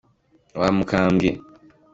Wa mukambwe